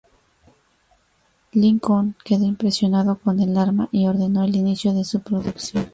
Lincoln quedó impresionado con el arma, y ordenó el inicio de su producción.